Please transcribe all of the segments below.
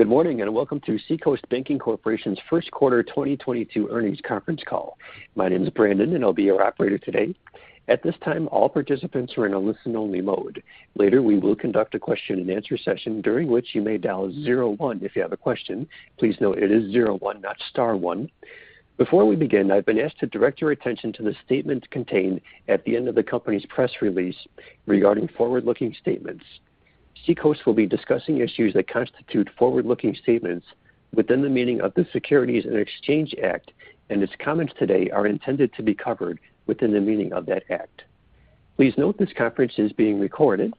Good morning, and welcome to Seacoast Banking Corporation's first quarter 2022 earnings conference call. My name is Brandon, and I'll be your operator today. At this time, all participants are in a listen-only mode. Later, we will conduct a question-and-answer session, during which you may dial zero one if you have a question. Please note it is zero one, not star one. Before we begin, I've been asked to direct your attention to the statement contained at the end of the company's press release regarding forward-looking statements. Seacoast will be discussing issues that constitute forward-looking statements within the meaning of the Securities Exchange Act, and its comments today are intended to be covered within the meaning of that act. Please note this conference is being recorded.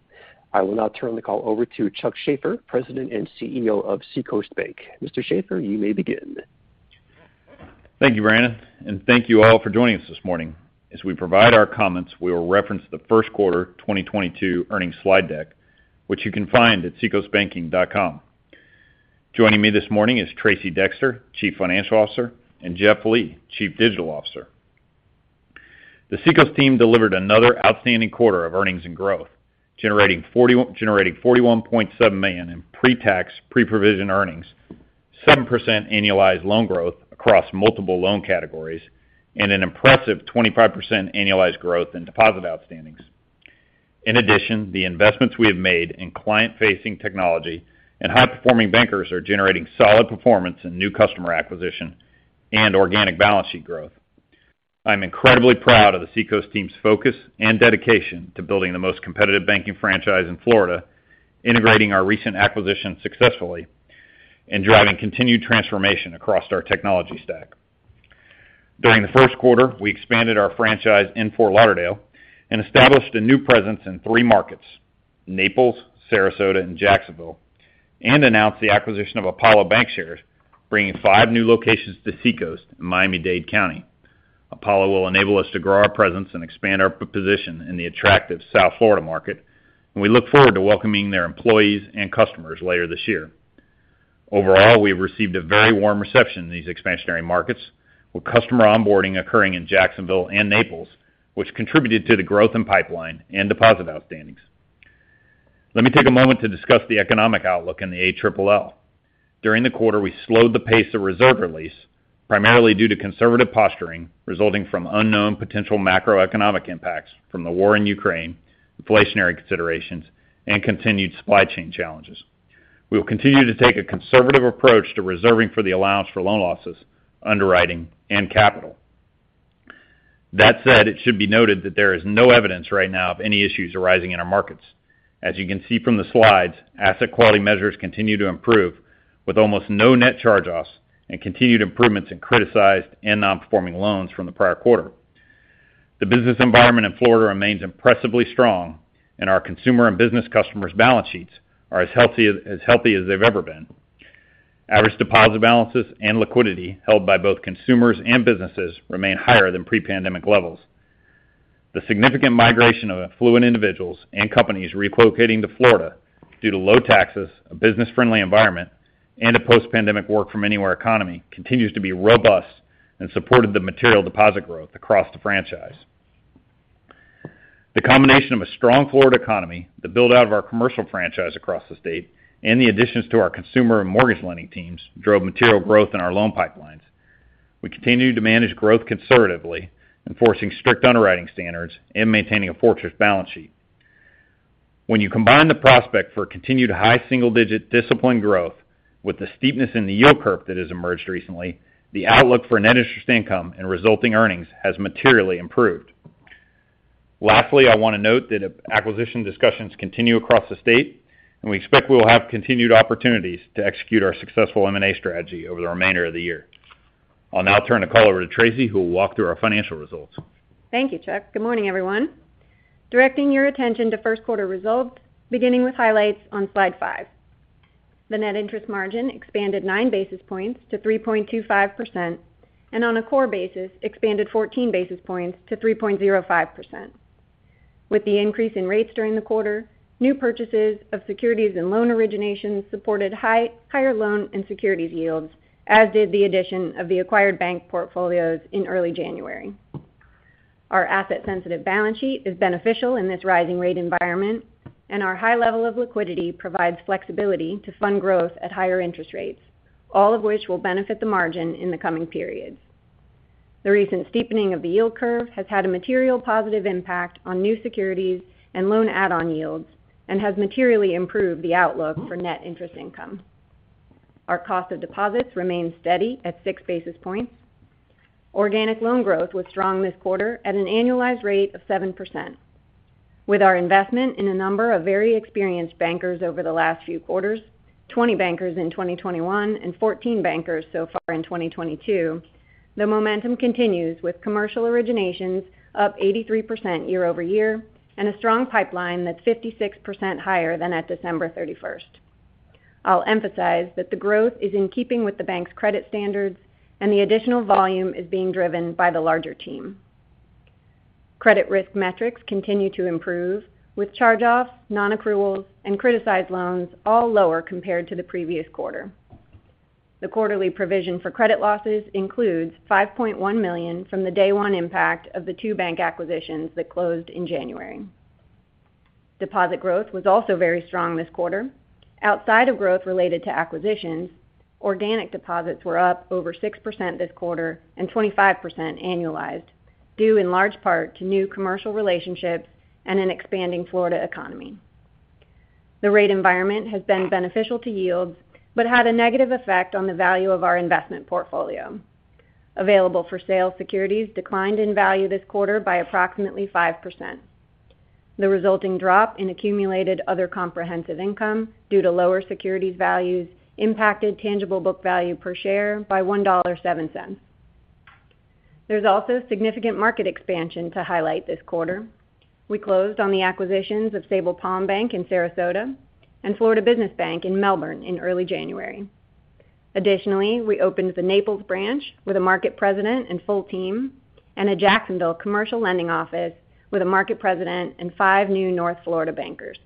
I will now turn the call over to Chuck Shaffer, President and CEO of Seacoast Bank. Mr. Shaffer, you may begin. Thank you, Brandon, and thank you all for joining us this morning. As we provide our comments, we will reference the first quarter 2022 earnings slide deck, which you can find at seacoastbanking.com. Joining me this morning is Tracey Dexter, Chief Financial Officer, and Jeff Lee, Chief Digital Officer. The Seacoast team delivered another outstanding quarter of earnings and growth, generating $41.7 million in pre-tax, pre-provision earnings, 7% annualized loan growth across multiple loan categories, and an impressive 25% annualized growth in deposit outstandings. In addition, the investments we have made in client-facing technology and high-performing bankers are generating solid performance in new customer acquisition and organic balance sheet growth. I'm incredibly proud of the Seacoast team's focus and dedication to building the most competitive banking franchise in Florida, integrating our recent acquisition successfully and driving continued transformation across our technology stack. During the first quarter, we expanded our franchise in Fort Lauderdale and established a new presence in three markets, Naples, Sarasota, and Jacksonville, and announced the acquisition of Apollo Bank shares, bringing five new locations to Seacoast in Miami-Dade County. Apollo will enable us to grow our presence and expand our position in the attractive South Florida market. We look forward to welcoming their employees and customers later this year. Overall, we've received a very warm reception in these expansionary markets, with customer onboarding occurring in Jacksonville and Naples, which contributed to the growth in pipeline and deposit outstandings. Let me take a moment to discuss the economic outlook and the ALLL. During the quarter, we slowed the pace of reserve release, primarily due to conservative posturing resulting from unknown potential macroeconomic impacts from the war in Ukraine, inflationary considerations, and continued supply chain challenges. We will continue to take a conservative approach to reserving for the allowance for loan losses, underwriting, and capital. That said, it should be noted that there is no evidence right now of any issues arising in our markets. As you can see from the slides, asset quality measures continue to improve, with almost no net charge-offs and continued improvements in criticized and non-performing loans from the prior quarter. The business environment in Florida remains impressively strong, and our consumer and business customers' balance sheets are as healthy, as healthy as they've ever been. Average deposit balances and liquidity held by both consumers and businesses remain higher than pre-pandemic levels. The significant migration of affluent individuals and companies relocating to Florida due to low taxes, a business-friendly environment, and a post-pandemic work-from-anywhere economy continues to be robust and supported the material deposit growth across the franchise. The combination of a strong Florida economy, the build-out of our commercial franchise across the state, and the additions to our consumer and mortgage lending teams drove material growth in our loan pipelines. We continue to manage growth conservatively, enforcing strict underwriting standards and maintaining a fortress balance sheet. When you combine the prospect for continued high single-digit disciplined growth with the steepness in the yield curve that has emerged recently, the outlook for net interest income and resulting earnings has materially improved. Lastly, I want to note that acquisition discussions continue across the state, and we expect we will have continued opportunities to execute our successful M&A strategy over the remainder of the year. I'll now turn the call over to Tracey, who will walk through our financial results. Thank you, Chuck. Good morning, everyone. Directing your attention to first quarter results, beginning with highlights on slide five. The net interest margin expanded 9 basis points to 3.25%, and on a core basis expanded 14 basis points to 3.05%. With the increase in rates during the quarter, new purchases of securities and loan originations supported higher loan and securities yields, as did the addition of the acquired bank portfolios in early January. Our asset-sensitive balance sheet is beneficial in this rising rate environment, and our high level of liquidity provides flexibility to fund growth at higher interest rates, all of which will benefit the margin in the coming periods. The recent steepening of the yield curve has had a material positive impact on new securities and loan add-on yields and has materially improved the outlook for net interest income. Our cost of deposits remains steady at 6 basis points. Organic loan growth was strong this quarter at an annualized rate of 7%. With our investment in a number of very experienced bankers over the last few quarters, 20 bankers in 2021 and 14 bankers so far in 2022, the momentum continues with commercial originations up 83% year-over-year and a strong pipeline that's 56% higher than at December 31st. I'll emphasize that the growth is in keeping with the bank's credit standards and the additional volume is being driven by the larger team. Credit risk metrics continue to improve, with charge-offs, non-accruals, and criticized loans all lower compared to the previous quarter. The quarterly provision for credit losses includes $5.1 million from the day one impact of the two bank acquisitions that closed in January. Deposit growth was also very strong this quarter. Outside of growth related to acquisitions, organic deposits were up over 6% this quarter and 25% annualized due in large part to new commercial relationships and an expanding Florida economy. The rate environment has been beneficial to yields, but had a negative effect on the value of our investment portfolio. Available-for-sale securities declined in value this quarter by approximately 5%. The resulting drop in accumulated other comprehensive income due to lower securities values impacted tangible book value per share by $1.07. There's also significant market expansion to highlight this quarter. We closed on the acquisitions of Sabal Palm Bank in Sarasota and Florida Business Bank in Melbourne in early January. Additionally, we opened the Naples branch with a market president and full team and a Jacksonville commercial lending office with a market president and five new North Florida bankers.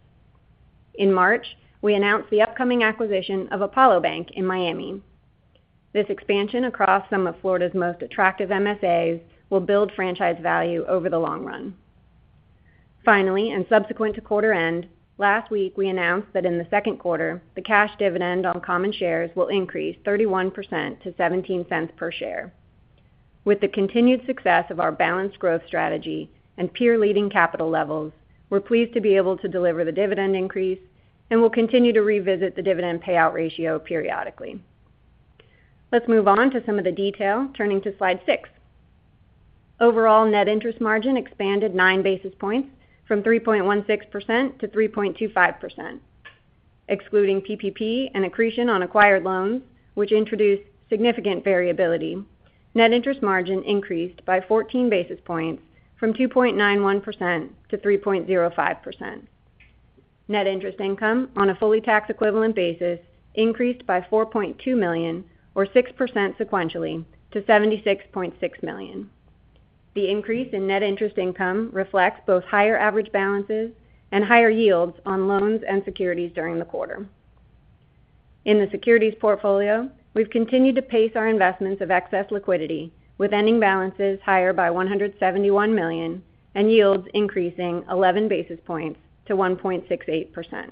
In March, we announced the upcoming acquisition of Apollo Bank in Miami. This expansion across some of Florida's most attractive MSAs will build franchise value over the long run. Finally, and subsequent to quarter end, last week we announced that in the second quarter, the cash dividend on common shares will increase 31% to $0.17 per share. With the continued success of our balanced growth strategy and peer-leading capital levels, we're pleased to be able to deliver the dividend increase, and we'll continue to revisit the dividend payout ratio periodically. Let's move on to some of the detail, turning to slide six. Overall net interest margin expanded 9 basis points from 3.16% to 3.25%. Excluding PPP and accretion on acquired loans, which introduced significant variability, net interest margin increased by 14 basis points from 2.91% to 3.05%. Net interest income on a fully tax equivalent basis increased by $4.2 million or 6% sequentially to $76.6 million. The increase in net interest income reflects both higher average balances and higher yields on loans and securities during the quarter. In the securities portfolio, we've continued to place our investments of excess liquidity with ending balances higher by $171 million and yields increasing 11 basis points to 1.68%.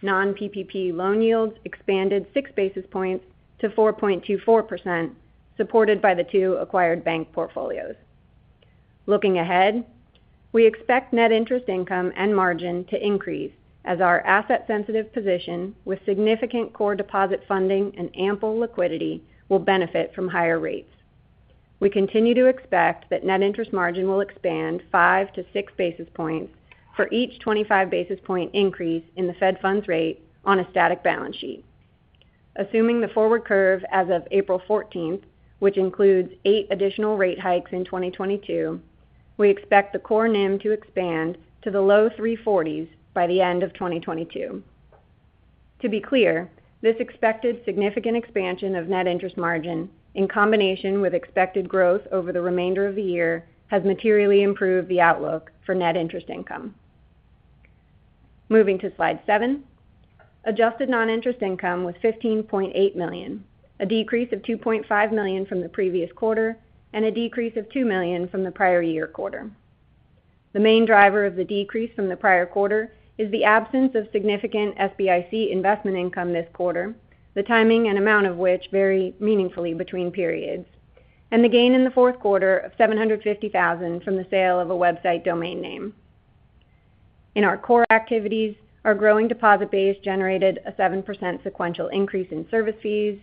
Non-PPP loan yields expanded 6 basis points to 4.24%, supported by the two acquired bank portfolios. Looking ahead, we expect net interest income and margin to increase as our asset-sensitive position with significant core deposit funding and ample liquidity will benefit from higher rates. We continue to expect that net interest margin will expand 5-6 basis points for each 25 basis point increase in the Fed funds rate on a static balance sheet. Assuming the forward curve as of April 14, which includes eight additional rate hikes in 2022, we expect the core NIM to expand to the low 3.40s by the end of 2022. To be clear, this expected significant expansion of net interest margin in combination with expected growth over the remainder of the year has materially improved the outlook for net interest income. Moving to slide seven. Adjusted non-interest income was $15.8 million, a decrease of $2.5 million from the previous quarter and a decrease of $2 million from the prior year quarter. The main driver of the decrease from the prior quarter is the absence of significant SBIC investment income this quarter, the timing and amount of which vary meaningfully between periods, and the gain in the fourth quarter of $750,000 from the sale of a website domain name. In our core activities, our growing deposit base generated a 7% sequential increase in service fees,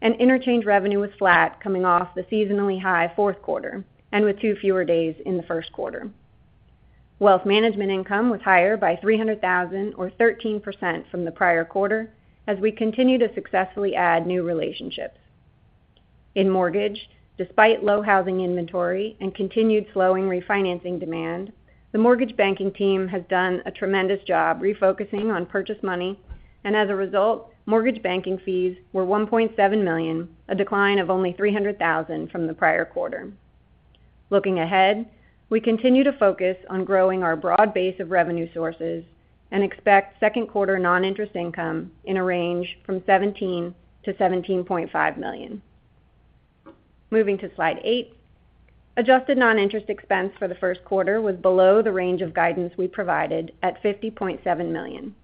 and interchange revenue was flat coming off the seasonally high fourth quarter and with two fewer days in the first quarter. Wealth management income was higher by $300,000 or 13% from the prior quarter as we continue to successfully add new relationships. In mortgage, despite low housing inventory and continued slowing refinancing demand, the mortgage banking team has done a tremendous job refocusing on purchase money, and as a result, mortgage banking fees were $1.7 million, a decline of only $300,000 from the prior quarter. Looking ahead, we continue to focus on growing our broad base of revenue sources and expect second quarter non-interest income in a range from $17 million-$17.5 million. Moving to slide eight. Adjusted non-interest expense for the first quarter was below the range of guidance we provided at $50.7 million.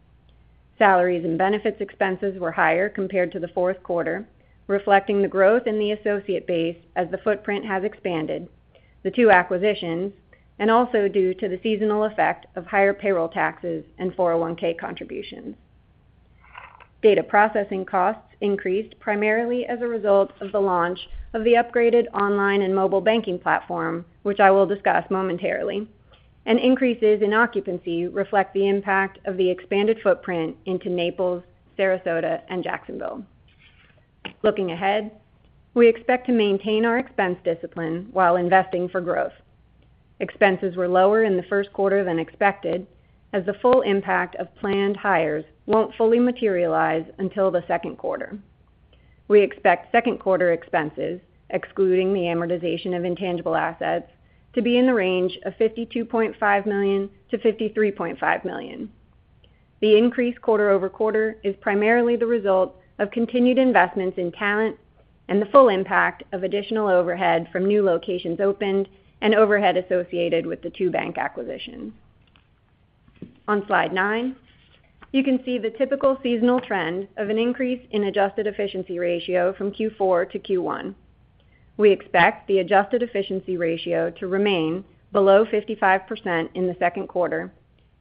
Salaries and benefits expenses were higher compared to the fourth quarter, reflecting the growth in the associate base as the footprint has expanded, the two acquisitions, and also due to the seasonal effect of higher payroll taxes and 401(k) contributions. Data processing costs increased primarily as a result of the launch of the upgraded online and mobile banking platform, which I will discuss momentarily, and increases in occupancy reflect the impact of the expanded footprint into Naples, Sarasota, and Jacksonville. Looking ahead, we expect to maintain our expense discipline while investing for growth. Expenses were lower in the first quarter than expected as the full impact of planned hires won't fully materialize until the second quarter. We expect second quarter expenses, excluding the amortization of intangible assets, to be in the range of $52.5 million-$53.5 million. The increase quarter-over-quarter is primarily the result of continued investments in talent and the full impact of additional overhead from new locations opened and overhead associated with the two bank acquisition. On slide nine, you can see the typical seasonal trend of an increase in adjusted efficiency ratio from Q4 to Q1. We expect the adjusted efficiency ratio to remain below 55% in the second quarter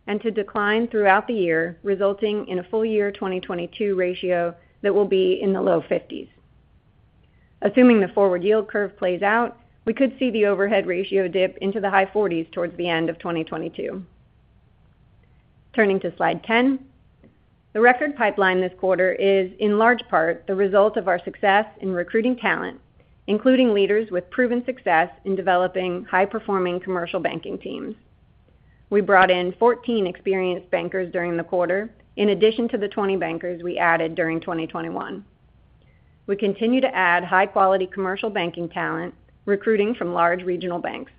and to decline throughout the year, resulting in a full year 2022 ratio that will be in the low 50s. Assuming the forward yield curve plays out, we could see the overhead ratio dip into the high 40s towards the end of 2022. Turning to slide 10, the record pipeline this quarter is, in large part, the result of our success in recruiting talent, including leaders with proven success in developing high-performing commercial banking teams. We brought in 14 experienced bankers during the quarter, in addition to the 20 bankers we added during 2021. We continue to add high-quality commercial banking talent, recruiting from large regional banks.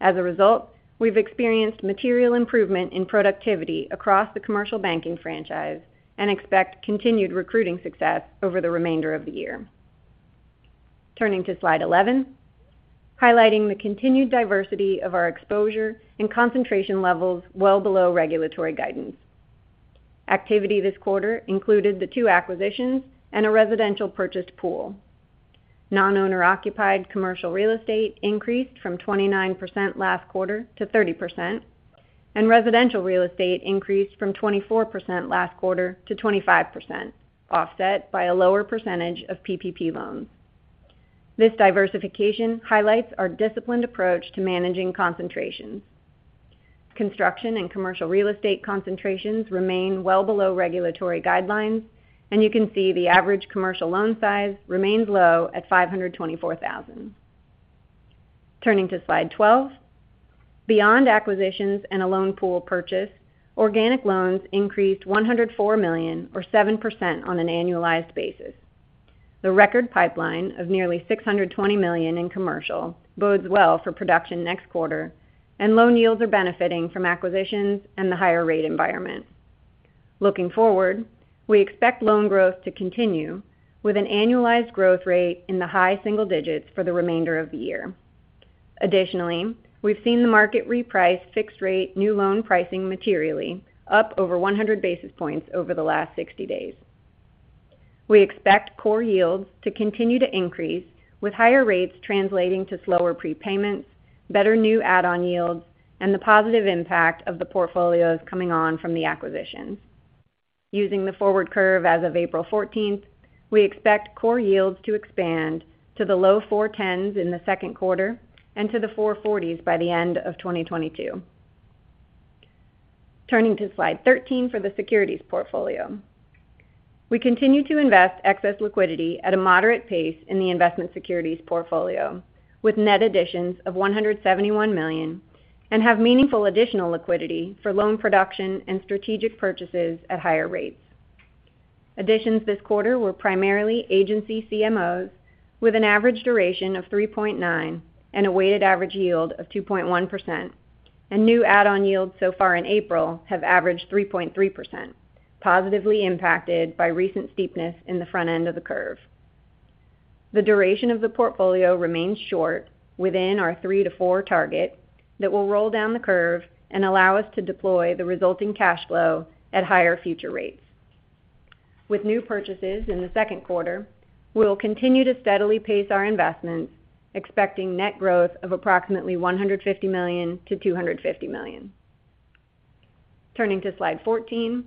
As a result, we've experienced material improvement in productivity across the commercial banking franchise and expect continued recruiting success over the remainder of the year. Turning to slide 11, highlighting the continued diversity of our exposure and concentration levels well below regulatory guidance. Activity this quarter included the two acquisitions and a residential purchase pool. Non-owner occupied commercial real estate increased from 29% last quarter to 30%, and residential real estate increased from 24% last quarter to 25%, offset by a lower percentage of PPP loans. This diversification highlights our disciplined approach to managing concentrations. Construction and commercial real estate concentrations remain well below regulatory guidelines, and you can see the average commercial loan size remains low at $524,000. Turning to slide 12, beyond acquisitions and a loan pool purchase, organic loans increased $104 million or 7% on an annualized basis. The record pipeline of nearly $620 million in commercial bodes well for production next quarter, and loan yields are benefiting from acquisitions and the higher rate environment. Looking forward, we expect loan growth to continue with an annualized growth rate in the high single digits for the remainder of the year. Additionally, we've seen the market reprice fixed rate new loan pricing materially up over 100 basis points over the last 60 days. We expect core yields to continue to increase, with higher rates translating to slower prepayments, better new add-on yields, and the positive impact of the portfolios coming on from the acquisitions. Using the forward curve as of April 14th, we expect core yields to expand to the low 4.10s in the second quarter and to the 4.40s by the end of 2022. Turning to slide 13 for the securities portfolio. We continue to invest excess liquidity at a moderate pace in the investment securities portfolio, with net additions of $171 million, and have meaningful additional liquidity for loan production and strategic purchases at higher rates. Additions this quarter were primarily agency CMOs with an average duration of 3.9 and a weighted average yield of 2.1%. New add-on yields so far in April have averaged 3.3%, positively impacted by recent steepness in the front end of the curve. The duration of the portfolio remains short within our three-four target that will roll down the curve and allow us to deploy the resulting cash flow at higher future rates. With new purchases in the second quarter, we will continue to steadily pace our investments, expecting net growth of approximately $150 million-$250 million. Turning to slide 14,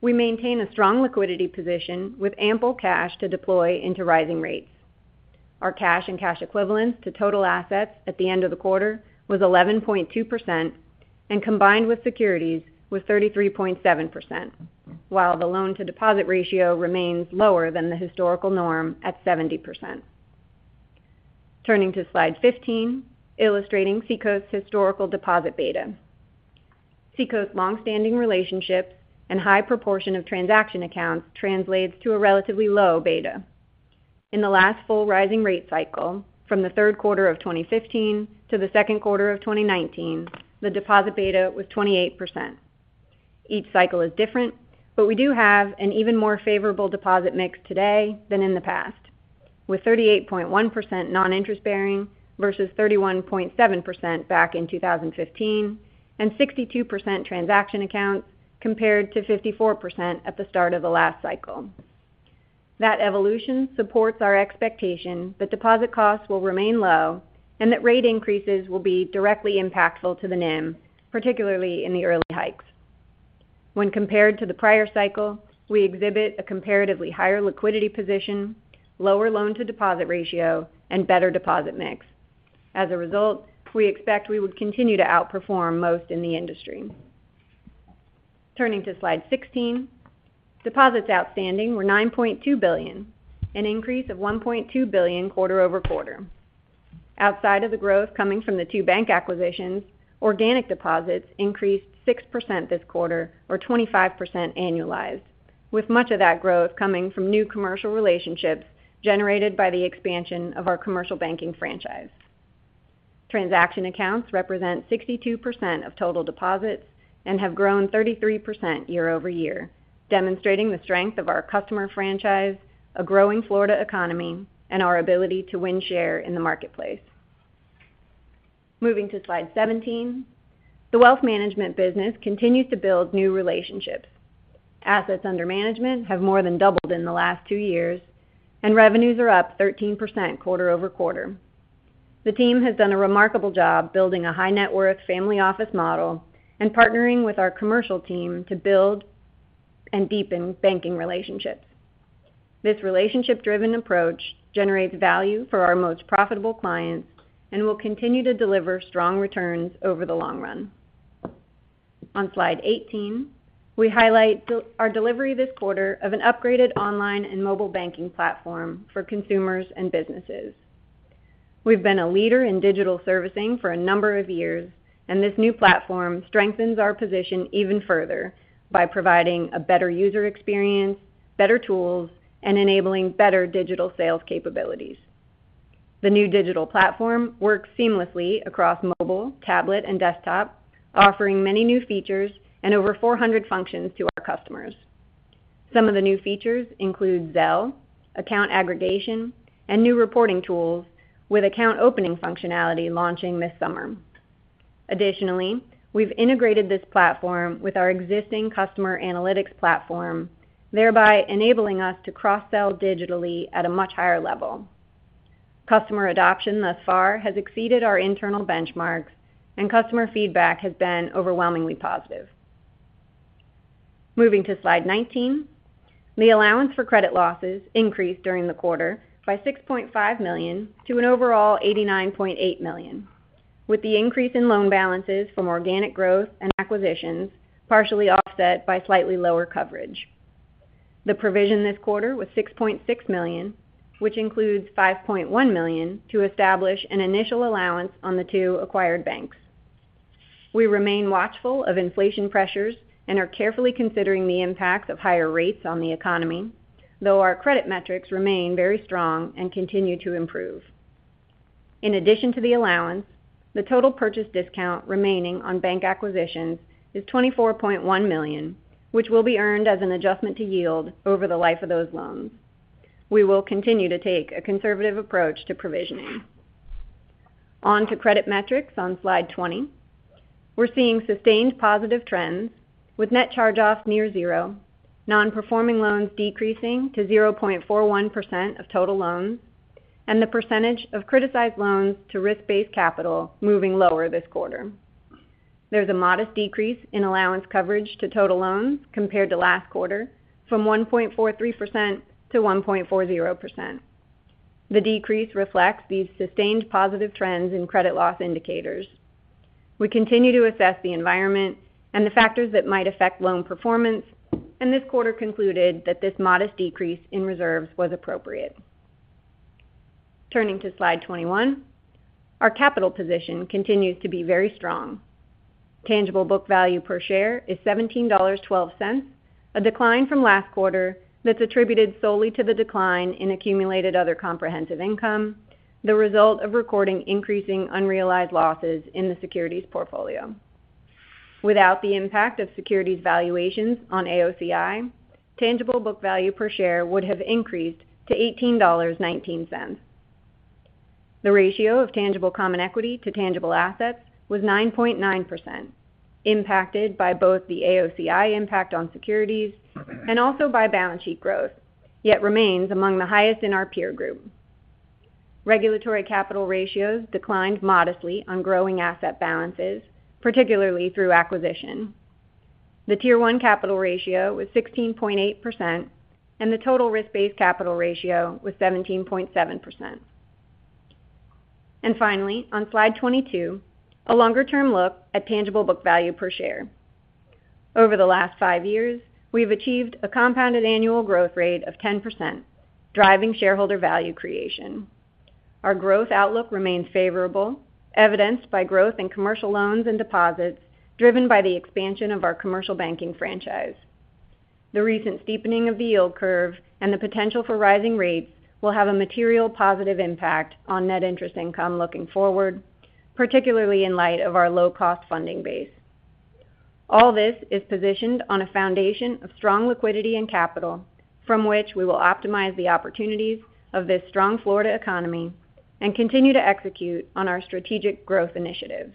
we maintain a strong liquidity position with ample cash to deploy into rising rates. Our cash and cash equivalents to total assets at the end of the quarter was 11.2% and combined with securities was 33.7%, while the loan to deposit ratio remains lower than the historical norm at 70%. Turning to slide 15, illustrating Seacoast historical deposit beta. Seacoast longstanding relationships and high proportion of transaction accounts translates to a relatively low beta. In the last full rising rate cycle, from the third quarter of 2015 to the second quarter of 2019, the deposit beta was 28%. Each cycle is different, but we do have an even more favorable deposit mix today than in the past, with 38.1% non-interest bearing versus 31.7% back in 2015, and 62% transaction accounts compared to 54% at the start of the last cycle. That evolution supports our expectation that deposit costs will remain low and that rate increases will be directly impactful to the NIM, particularly in the early hikes. When compared to the prior cycle, we exhibit a comparatively higher liquidity position, lower loan to deposit ratio, and better deposit mix. As a result, we expect we would continue to outperform most in the industry. Turning to slide 16, deposits outstanding were $9.2 billion, an increase of $1.2 billion quarter-over-quarter. Outside of the growth coming from the two bank acquisitions, organic deposits increased 6% this quarter or 25% annualized, with much of that growth coming from new commercial relationships generated by the expansion of our commercial banking franchise. Transaction accounts represent 62% of total deposits and have grown 33% year-over-year, demonstrating the strength of our customer franchise, a growing Florida economy, and our ability to win share in the marketplace. Moving to slide 17. The wealth management business continues to build new relationships. Assets under management have more than doubled in the last two years, and revenues are up 13% quarter-over-quarter. The team has done a remarkable job building a high net worth family office model and partnering with our commercial team to build and deepen banking relationships. This relationship-driven approach generates value for our most profitable clients and will continue to deliver strong returns over the long run. On slide 18, we highlight our delivery this quarter of an upgraded online and mobile banking platform for consumers and businesses. We've been a leader in digital servicing for a number of years, and this new platform strengthens our position even further by providing a better user experience, better tools, and enabling better digital sales capabilities. The new digital platform works seamlessly across mobile, tablet and desktop, offering many new features and over 400 functions to our customers. Some of the new features include Zelle, account aggregation, and new reporting tools, with account opening functionality launching this summer. Additionally, we've integrated this platform with our existing customer analytics platform, thereby enabling us to cross-sell digitally at a much higher level. Customer adoption thus far has exceeded our internal benchmarks, and customer feedback has been overwhelmingly positive. Moving to slide 19. The allowance for credit losses increased during the quarter by $6.5 million to an overall $89.8 million, with the increase in loan balances from organic growth and acquisitions partially offset by slightly lower coverage. The provision this quarter was $6.6 million, which includes $5.1 million to establish an initial allowance on the two acquired banks. We remain watchful of inflation pressures and are carefully considering the impacts of higher rates on the economy, though our credit metrics remain very strong and continue to improve. In addition to the allowance, the total purchase discount remaining on bank acquisitions is $24.1 million, which will be earned as an adjustment to yield over the life of those loans. We will continue to take a conservative approach to provisioning. On to credit metrics on slide 20. We're seeing sustained positive trends with net charge-offs near zero, nonperforming loans decreasing to 0.41% of total loans, and the percentage of criticized loans to risk-based capital moving lower this quarter. There's a modest decrease in allowance coverage to total loans compared to last quarter, from 1.43% to 1.40%. The decrease reflects these sustained positive trends in credit loss indicators. We continue to assess the environment and the factors that might affect loan performance, and this quarter concluded that this modest decrease in reserves was appropriate. Turning to slide 21. Our capital position continues to be very strong. Tangible book value per share is $17.12, a decline from last quarter that's attributed solely to the decline in accumulated other comprehensive income, the result of recording increasing unrealized losses in the securities portfolio. Without the impact of securities valuations on AOCI, tangible book value per share would have increased to $18.19. The ratio of tangible common equity to tangible assets was 9.9%, impacted by both the AOCI impact on securities and also by balance sheet growth, yet remains among the highest in our peer group. Regulatory capital ratios declined modestly on growing asset balances, particularly through acquisition. The Tier 1 capital ratio was 16.8%, and the total risk-based capital ratio was 17.7%. Finally, on slide 22, a longer-term look at tangible book value per share. Over the last five years, we've achieved a compounded annual growth rate of 10%, driving shareholder value creation. Our growth outlook remains favorable, evidenced by growth in commercial loans and deposits driven by the expansion of our commercial banking franchise. The recent steepening of the yield curve and the potential for rising rates will have a material positive impact on net interest income looking forward, particularly in light of our low-cost funding base. All this is positioned on a foundation of strong liquidity and capital from which we will optimize the opportunities of this strong Florida economy and continue to execute on our strategic growth initiatives.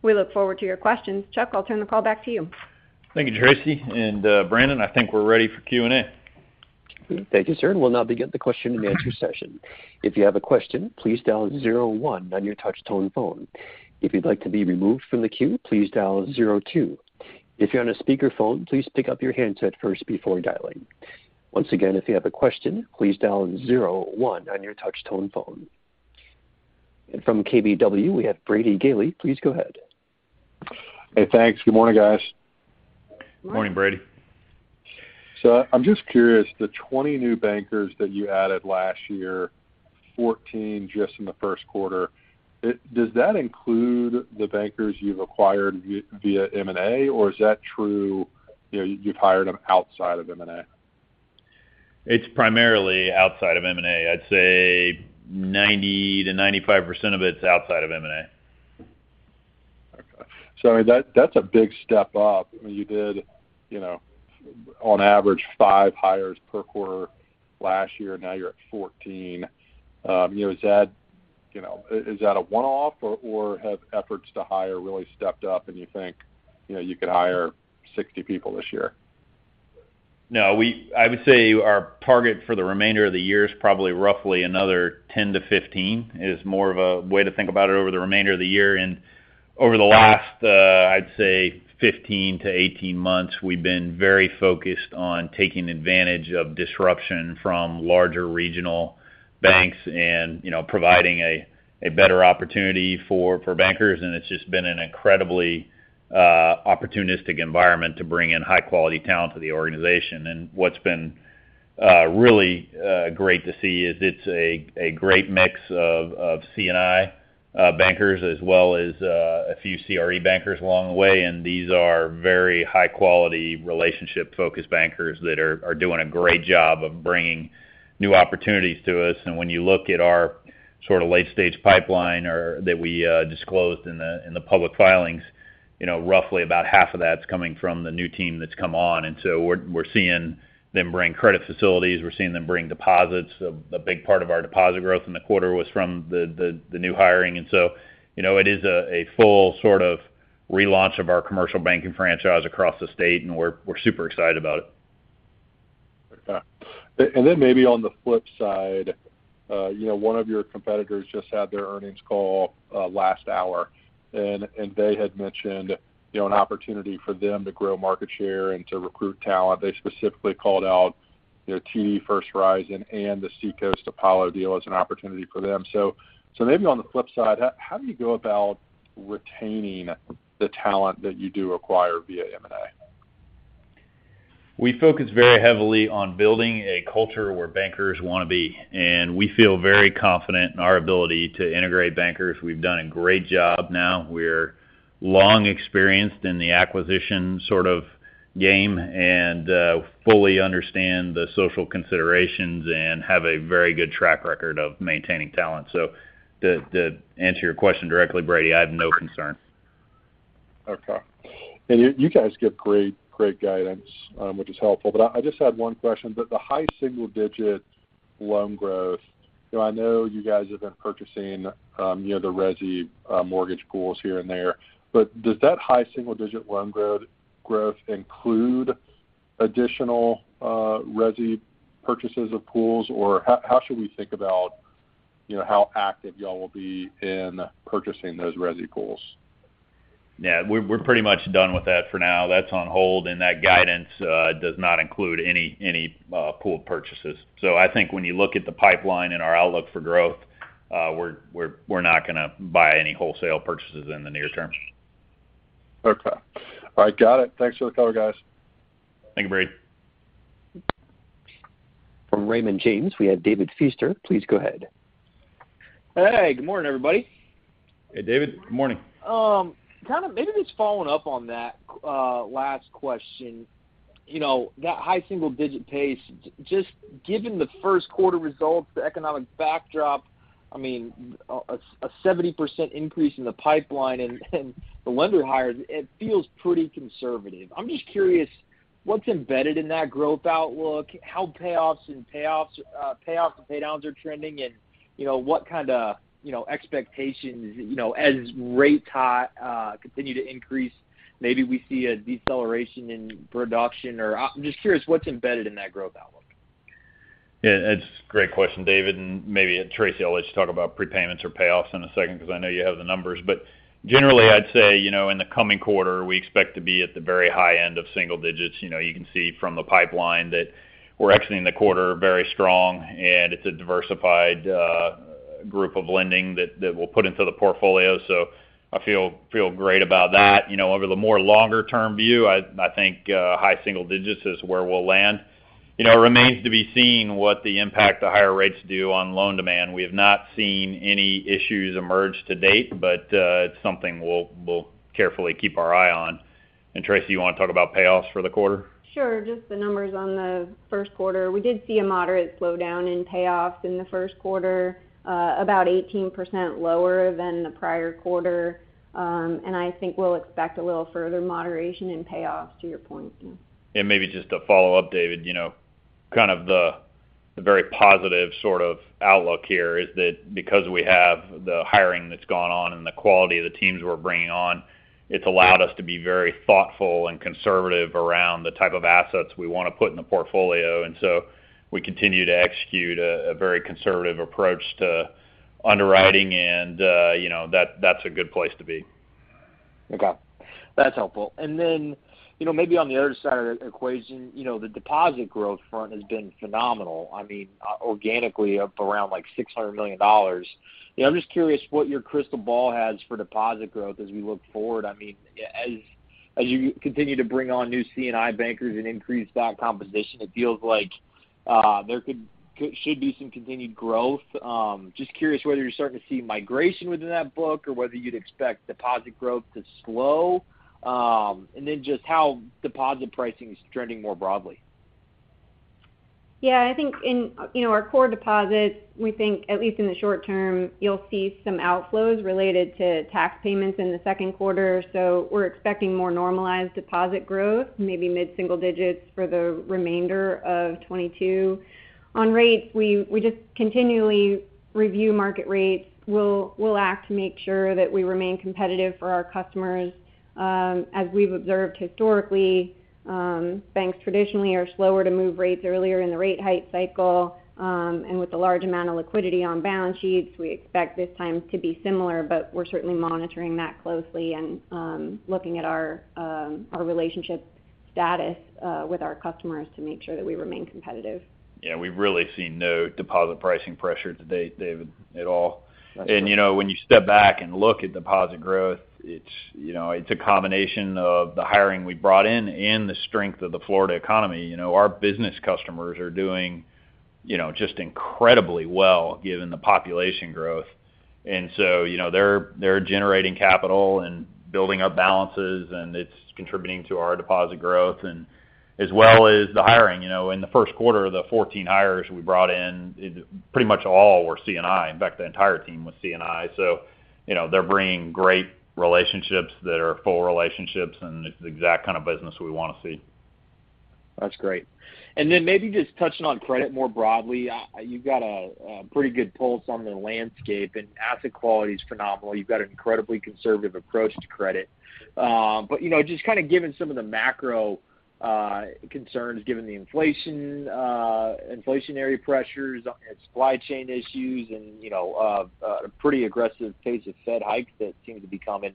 We look forward to your questions. Chuck, I'll turn the call back to you. Thank you, Tracey. Brandon, I think we're ready for Q&A. Thank you, sir. We'll now begin the question-and-answer session. If you have a question, please dial zero one on your touch tone phone. If you'd like to be removed from the queue, please dial zero two. If you're on a speakerphone, please pick up your handset first before dialing. Once again, if you have a question, please dial zero one on your touch tone phone. From KBW, we have Brady Gailey. Please go ahead. Good morning. Morning, Brady. I'm just curious, the 20 new bankers that you added last year, 14 just in the first quarter, does that include the bankers you've acquired via M&A, or is that true, you know, you've hired them outside of M&A? It's primarily outside of M&A. I'd say 90%-95% of it's outside of M&A. Okay. That's a big step up. I mean, you did, you know, on average five hires per quarter last year, now you're at 14. You know, is that a one-off or have efforts to hire really stepped up and you think, you know, you could hire 60 people this year? No, I would say our target for the remainder of the year is probably roughly another 10-15, is more of a way to think about it over the remainder of the year. Over the last, I'd say 15-18 months, we've been very focused on taking advantage of disruption from larger regional banks and, you know, providing a better opportunity for bankers. It's just been an incredibly opportunistic environment to bring in high-quality talent to the organization. What's been really great to see is it's a great mix of C&I bankers as well as a few CRE bankers along the way. These are very high quality, relationship-focused bankers that are doing a great job of bringing new opportunities to us. When you look at our sort of late-stage pipeline or that we disclosed in the public filings, you know, roughly about half of that's coming from the new team that's come on. We're seeing them bring credit facilities. We're seeing them bring deposits. A big part of our deposit growth in the quarter was from the new hiring. You know, it is a full sort of relaunch of our commercial banking franchise across the state, and we're super excited about it. Okay. Maybe on the flip side, you know, one of your competitors just had their earnings call last hour, and they had mentioned, you know, an opportunity for them to grow market share and to recruit talent. They specifically called out, you know, TD, First Horizon, and the Seacoast Apollo deal as an opportunity for them. Maybe on the flip side, how do you go about retaining the talent that you do acquire via M&A? We focus very heavily on building a culture where bankers wanna be, and we feel very confident in our ability to integrate bankers. We've done a great job now. We're long experienced in the acquisition sort of game, and fully understand the social considerations and have a very good track record of maintaining talent. To answer your question directly, Brady, I have no concern. Okay. You guys give great guidance, which is helpful. I just had one question, but the high single-digit loan growth, you know, I know you guys have been purchasing, you know, the resi mortgage pools here and there, but does that high single-digit loan growth include additional resi purchases of pools? Or how should we think about, you know, how active y'all will be in purchasing those resi pools? Yeah. We're pretty much done with that for now. That's on hold, and that guidance does not include any pool purchases. I think when you look at the pipeline and our outlook for growth, we're not gonna buy any wholesale purchases in the near term. Okay. All right, got it. Thanks for the color, guys. Thank you, Brady. From Raymond James, we have David Feaster. Please go ahead. Hey, good morning, everybody. Hey, David. Good morning. Kind of maybe just following up on that last question. You know, that high single digit pace, just given the first quarter results, the economic backdrop, I mean, a 70% increase in the pipeline and the lender hires, it feels pretty conservative. I'm just curious what's embedded in that growth outlook, how payoffs and pay downs are trending, and, you know, what kind of, you know, expectations, you know, as rates continue to increase, maybe we see a deceleration in production or. I'm just curious what's embedded in that growth outlook. Yeah. It's a great question, David. Maybe, Tracey, I'll let you talk about prepayments or payoffs in a second because I know you have the numbers. Generally, I'd say, you know, in the coming quarter, we expect to be at the very high end of single digits. You know, you can see from the pipeline that we're exiting the quarter very strong, and it's a diversified group of lending that we'll put into the portfolio. So I feel great about that. You know, over the more longer-term view, I think high single digits is where we'll land. You know, it remains to be seen what the impact the higher rates do on loan demand. We have not seen any issues emerge to date, but it's something we'll carefully keep our eye on. Tracey, you wanna talk about payoffs for the quarter? Sure. Just the numbers on the first quarter. We did see a moderate slowdown in payoffs in the first quarter, about 18% lower than the prior quarter. I think we'll expect a little further moderation in payoffs to your point. Yeah. Maybe just to follow up, David, you know, kind of the very positive sort of outlook here is that because we have the hiring that's gone on and the quality of the teams we're bringing on, it's allowed us to be very thoughtful and conservative around the type of assets we wanna put in the portfolio. We continue to execute a very conservative approach to underwriting and, you know, that's a good place to be. Okay. That's helpful. You know, maybe on the other side of the equation, you know, the deposit growth front has been phenomenal. I mean, organically up around like $600 million. You know, I'm just curious what your crystal ball has for deposit growth as we look forward. I mean, as you continue to bring on new C&I bankers and increase that composition, it feels like there should be some continued growth. Just curious whether you're starting to see migration within that book or whether you'd expect deposit growth to slow. Just how deposit pricing is trending more broadly. Yeah, I think in, you know, our core deposits, we think at least in the short term, you'll see some outflows related to tax payments in the second quarter. We're expecting more normalized deposit growth, maybe mid-single digits for the remainder of 2022. On rates, we just continually review market rates. We'll act to make sure that we remain competitive for our customers. As we've observed historically, banks traditionally are slower to move rates earlier in the rate hike cycle, and with the large amount of liquidity on balance sheets, we expect this time to be similar, but we're certainly monitoring that closely and looking at our relationship status with our customers to make sure that we remain competitive. Yeah, we've really seen no deposit pricing pressure to date, David, at all. That's great. You know, when you step back and look at deposit growth, it's, you know, it's a combination of the hiring we brought in and the strength of the Florida economy. You know, our business customers are doing, you know, just incredibly well given the population growth. You know, they're generating capital and building up balances, and it's contributing to our deposit growth and as well as the hiring. You know, in the first quarter, the 14 hires we brought in, pretty much all were C&I. In fact, the entire team was C&I. You know, they're bringing great relationships that are full relationships, and it's the exact kind of business we wanna see. That's great. Maybe just touching on credit more broadly. You've got a pretty good pulse on the landscape, and asset quality is phenomenal. You've got an incredibly conservative approach to credit. But you know, just kind of given some of the macro concerns, given the inflationary pressures, you know, supply chain issues and, you know, a pretty aggressive pace of Fed hikes that seem to be coming,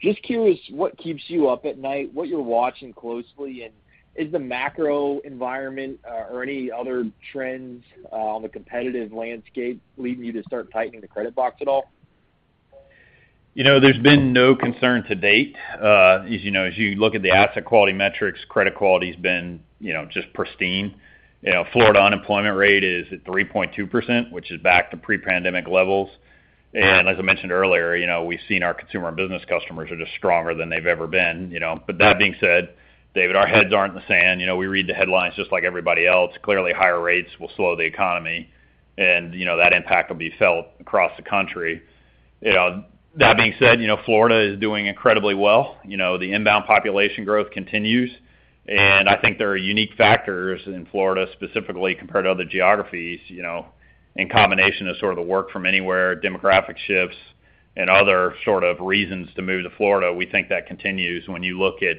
just curious what keeps you up at night, what you're watching closely, and is the macro environment or any other trends on the competitive landscape leading you to start tightening the credit box at all? You know, there's been no concern to date. As you know, as you look at the asset quality metrics, credit quality's been, you know, just pristine. You know, Florida unemployment rate is at 3.2%, which is back to pre-pandemic levels. As I mentioned earlier, you know, we've seen our consumer and business customers are just stronger than they've ever been, you know. That being said, David, our heads aren't in the sand. You know, we read the headlines just like everybody else. Clearly, higher rates will slow the economy and, you know, that impact will be felt across the country. You know, that being said, you know, Florida is doing incredibly well. You know, the inbound population growth continues, and I think there are unique factors in Florida, specifically compared to other geographies, you know, in combination of sort of the work from anywhere, demographic shifts, and other sort of reasons to move to Florida. We think that continues. When you look at,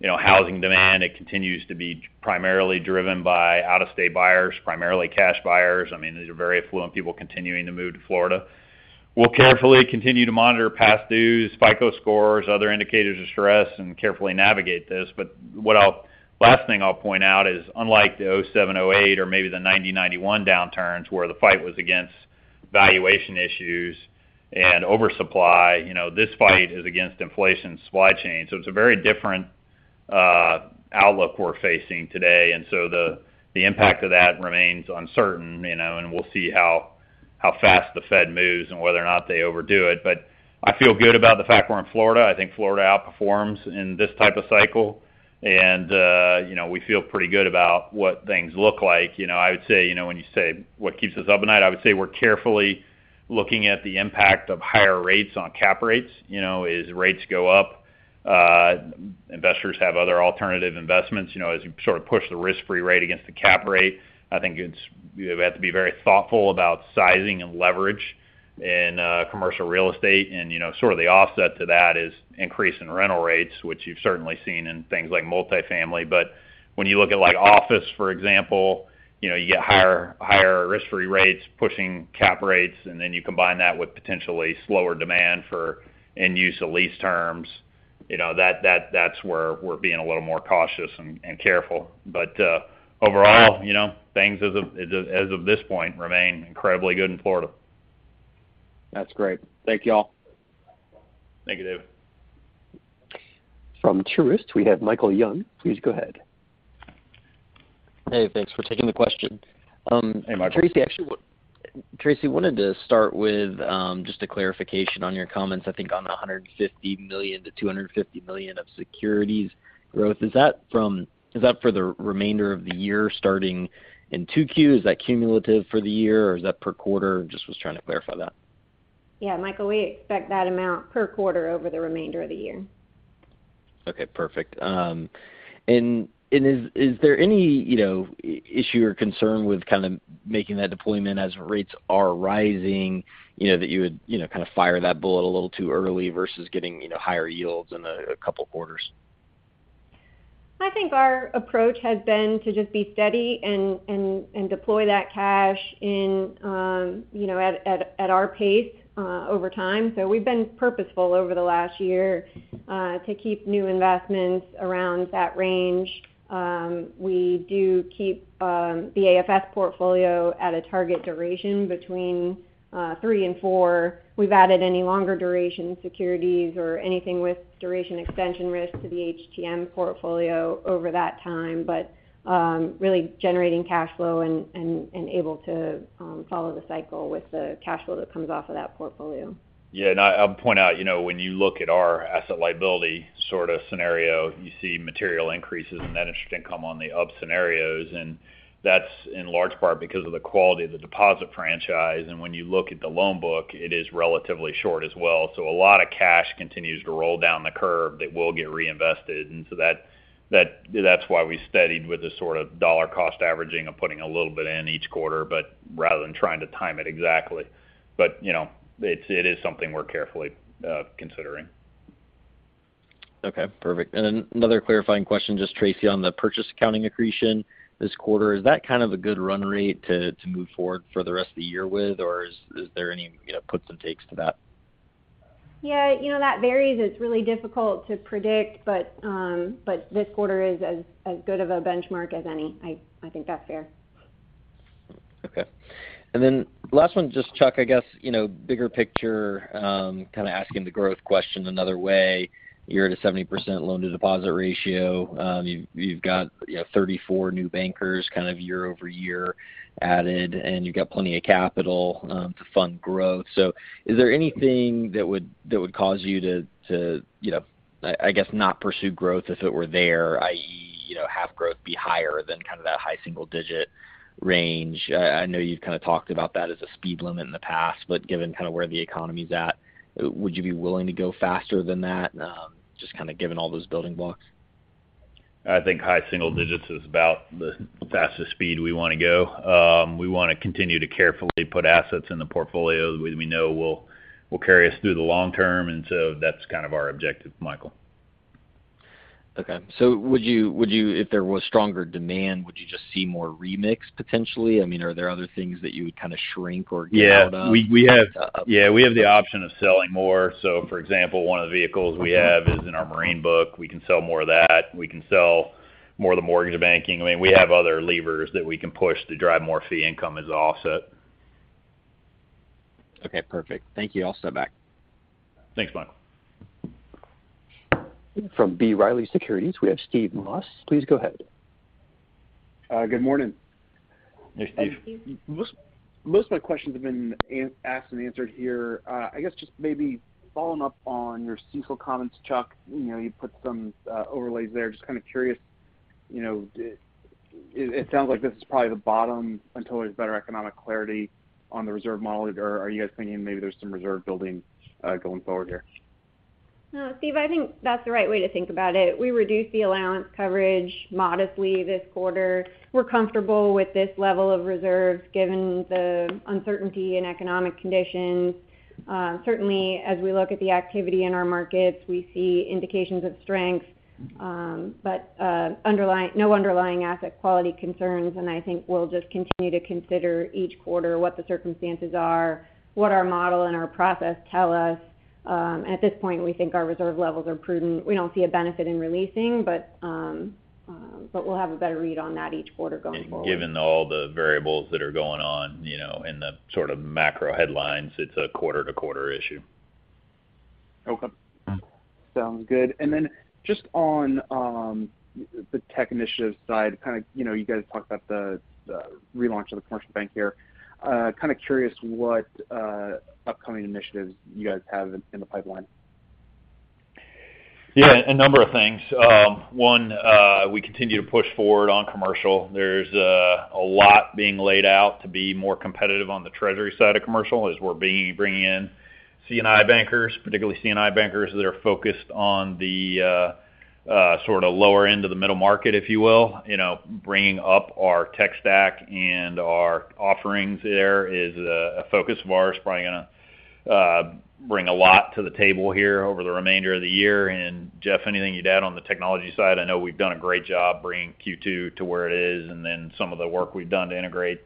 you know, housing demand, it continues to be primarily driven by out-of-state buyers, primarily cash buyers. I mean, these are very affluent people continuing to move to Florida. We'll carefully continue to monitor past dues, FICO scores, other indicators of stress, and carefully navigate this. Last thing I'll point out is unlike the 2007, 2008 or maybe the 1990, 1991 downturns, where the fight was against valuation issues and oversupply, you know, this fight is against inflation, supply chain. It's a very different outlook we're facing today. The impact of that remains uncertain, you know, and we'll see how fast the Fed moves and whether or not they overdo it. I feel good about the fact we're in Florida. I think Florida outperforms in this type of cycle. We feel pretty good about what things look like. You know, I would say, you know, when you say, what keeps us up at night, I would say we're carefully looking at the impact of higher rates on cap rates. You know, as rates go up, investors have other alternative investments. You know, as you sort of push the risk-free rate against the cap rate, I think it's you have to be very thoughtful about sizing and leverage in commercial real estate. You know, sort of the offset to that is increase in rental rates, which you've certainly seen in things like multifamily. When you look at like office, for example, you know, you get higher risk-free rates pushing cap rates, and then you combine that with potentially slower demand for end use of lease terms. You know, that's where we're being a little more cautious and careful. Overall, you know, things as of this point remain incredibly good in Florida. That's great. Thank you all. Thank you, David. From Truist, we have Michael Young. Please go ahead. Hey, thanks for taking the question. Hey, Michael. Tracey, actually, Tracey wanted to start with just a clarification on your comments, I think on the $150 million-$250 million of securities growth. Is that for the remainder of the year starting in 2Q? Is that cumulative for the year, or is that per quarter? Just was trying to clarify that. Yeah, Michael, we expect that amount per quarter over the remainder of the year. Okay, perfect. Is there any, you know, issue or concern with kind of making that deployment as rates are rising, you know, that you would, you know, kind of fire that bullet a little too early versus getting, you know, higher yields in a couple quarters? I think our approach has been to just be steady and deploy that cash in, you know, at our pace over time. We've been purposeful over the last year to keep new investments around that range. We do keep the AFS portfolio at a target duration between three and four. We've added any longer duration securities or anything with duration extension risk to the HTM portfolio over that time, but really generating cash flow and able to follow the cycle with the cash flow that comes off of that portfolio. Yeah. I'll point out, you know, when you look at our asset liability sort of scenario, you see material increases in net interest income on the up scenarios, and that's in large part because of the quality of the deposit franchise. When you look at the loan book, it is relatively short as well. A lot of cash continues to roll down the curve that will get reinvested. That's why we steadied with the sort of dollar cost averaging of putting a little bit in each quarter, but rather than trying to time it exactly. You know, it is something we're carefully considering. Okay, perfect. Another clarifying question, just Tracey, on the purchase accounting accretion this quarter. Is that kind of a good run rate to move forward for the rest of the year with? Or is there any, you know, puts and takes to that? Yeah, you know, that varies. It's really difficult to predict, but this quarter is as good of a benchmark as any. I think that's fair. Okay. Last one, just Chuck, I guess, you know, bigger picture, kind of asking the growth question another way. You're at a 70% loan to deposit ratio. You've got, you know, 34 new bankers kind of year-over-year added, and you've got plenty of capital to fund growth. Is there anything that would cause you to, you know, I guess, not pursue growth if it were there, i.e., you know, have growth be higher than kind of that high single digit range? I know you've kind of talked about that as a speed limit in the past, but given kind of where the economy's at, would you be willing to go faster than that, just kind of given all those building blocks? I think high single digits is about the fastest speed we wanna go. We wanna continue to carefully put assets in the portfolio that we know will carry us through the long term, and so that's kind of our objective, Michael. Okay. Would you if there was stronger demand, would you just see more remix potentially? I mean, are there other things that you would kind of shrink or give out of? Yeah, we have. Uh. Yeah, we have the option of selling more. For example, one of the vehicles we have is in our marine book. We can sell more of that. We can sell more of the mortgage banking. I mean, we have other levers that we can push to drive more fee income as an offset. Okay, perfect. Thank you. I'll step back. Thanks, Michael. From B. Riley Securities, we have Steve Moss. Please go ahead. Good morning. Hey, Steve. Hey. Most of my questions have been asked and answered here. I guess just maybe following up on your CECL comments, Chuck, you know, you put some overlays there. Just kind of curious, you know, it sounds like this is probably the bottom until there's better economic clarity on the reserve model, or are you guys thinking maybe there's some reserve building going forward here? No, Steve, I think that's the right way to think about it. We reduced the allowance coverage modestly this quarter. We're comfortable with this level of reserves given the uncertainty in economic conditions. Certainly, as we look at the activity in our markets, we see indications of strength, but no underlying asset quality concerns. I think we'll just continue to consider each quarter what the circumstances are, what our model and our process tell us. At this point, we think our reserve levels are prudent. We don't see a benefit in releasing, but we'll have a better read on that each quarter going forward. Given all the variables that are going on, you know, in the sort of macro headlines, it's a quarter-to-quarter issue. Okay. Sounds good. Just on the tech initiative side, kind of, you know, you guys talked about the relaunch of the commercial bank here. Kind of curious what upcoming initiatives you guys have in the pipeline. Yeah, a number of things. One, we continue to push forward on commercial. There's a lot being laid out to be more competitive on the treasury side of commercial as we're bringing in C&I bankers, particularly C&I bankers that are focused on the sort of lower end of the middle market, if you will. You know, bringing up our tech stack and our offerings there is a focus of ours, probably gonna bring a lot to the table here over the remainder of the year. Jeff, anything you'd add on the technology side? I know we've done a great job bringing Q2 to where it is and then some of the work we've done to integrate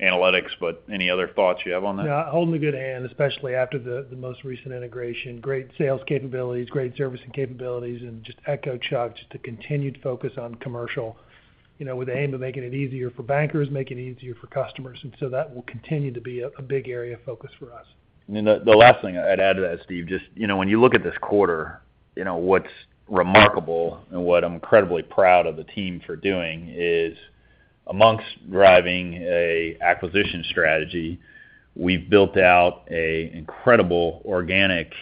analytics, but any other thoughts you have on that? No, holding a good hand, especially after the most recent integration. Great sales capabilities, great servicing capabilities, and just echo Chuck, just the continued focus on commercial, you know, with the aim of making it easier for bankers, making it easier for customers. That will continue to be a big area of focus for us. The last thing I'd add to that, Steve, just, you know, when you look at this quarter, you know, what's remarkable and what I'm incredibly proud of the team for doing is amongst driving a acquisition strategy, we've built out a incredible organic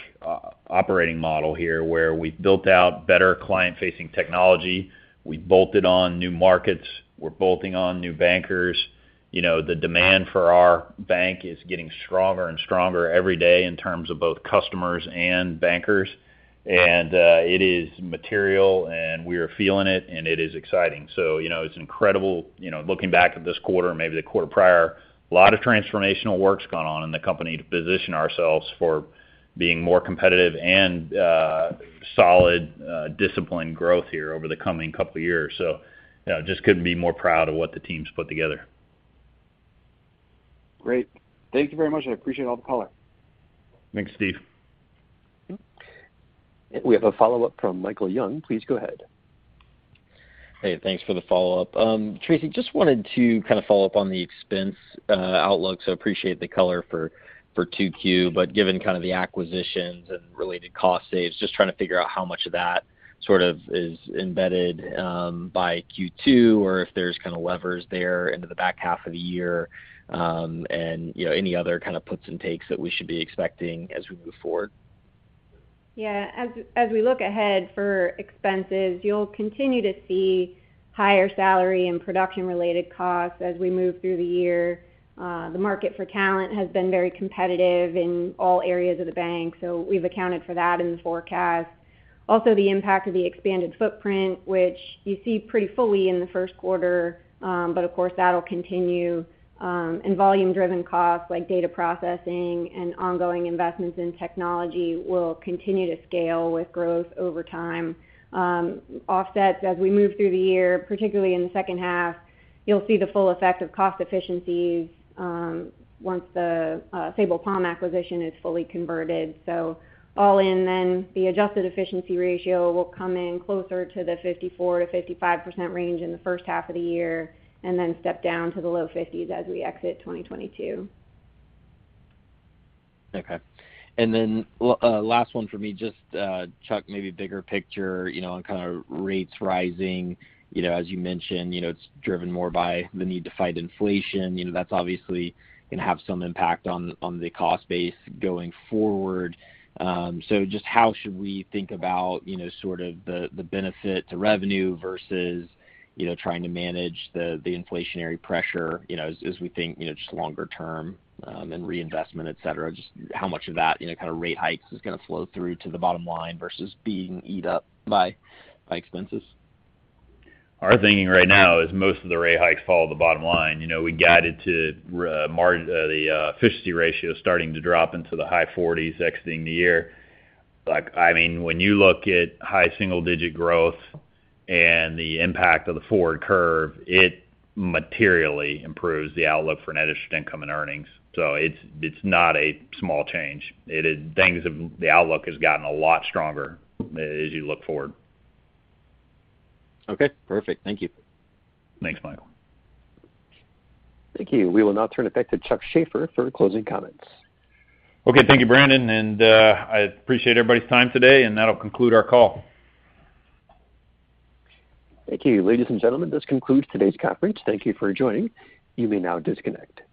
operating model here, where we've built out better client-facing technology. We've bolted on new markets. We're bolting on new bankers. You know, the demand for our bank is getting stronger and stronger every day in terms of both customers and bankers. It is material, and we are feeling it, and it is exciting. You know, it's incredible, you know, looking back at this quarter and maybe the quarter prior, a lot of transformational work's gone on in the company to position ourselves for being more competitive and solid, disciplined growth here over the coming couple years. You know, just couldn't be more proud of what the team's put together. Great. Thank you very much. I appreciate all the color. Thanks, Steve. We have a follow-up from Michael Young. Please go ahead. Hey, thanks for the follow-up. Tracey, just wanted to kind of follow up on the expense outlook, so appreciate the color for 2Q. Given kind of the acquisitions and related cost saves, just trying to figure out how much of that sort of is embedded by Q2 or if there's kind of levers there into the back half of the year, and, you know, any other kind of puts and takes that we should be expecting as we move forward. Yeah. As we look ahead for expenses, you'll continue to see higher salary and production-related costs as we move through the year. The market for talent has been very competitive in all areas of the bank, so we've accounted for that in the forecast. Also, the impact of the expanded footprint, which you see pretty fully in the first quarter, but of course that'll continue. And volume-driven costs like data processing and ongoing investments in technology will continue to scale with growth over time. Offsets as we move through the year, particularly in the second half, you'll see the full effect of cost efficiencies, once the Sabal Palm acquisition is fully converted. All in then, the adjusted efficiency ratio will come in closer to the 54%-55% range in the first half of the year and then step down to the low 50s% as we exit 2022. Okay. Last one for me, just, Chuck, maybe bigger picture, you know, on kinda rates rising. You know, as you mentioned, you know, it's driven more by the need to fight inflation. You know, that's obviously gonna have some impact on the cost base going forward. So just how should we think about, you know, sort of the benefit to revenue versus, you know, trying to manage the inflationary pressure, you know, as we think, you know, just longer term, and reinvestment, et cetera. Just how much of that, you know, kinda rate hikes is gonna flow through to the bottom line versus being eat up by expenses? Our thinking right now is most of the rate hikes follow the bottom line. You know, we guided to the efficiency ratio starting to drop into the high forties exiting the year. Like, I mean, when you look at high single-digit growth and the impact of the forward curve, it materially improves the outlook for net interest income and earnings. It's not a small change. The outlook has gotten a lot stronger as you look forward. Okay. Perfect. Thank you. Thanks, Michael. Thank you. We will now turn it back to Chuck Shaffer for closing comments. Okay. Thank you, Brandon, and, I appreciate everybody's time today, and that'll conclude our call. Thank you. Ladies and gentlemen, this concludes today's conference. Thank you for joining. You may now disconnect.